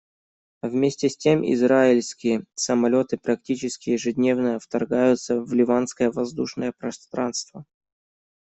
Вместе с тем, израильские самолеты практически ежедневно вторгаются в ливанское воздушное пространство.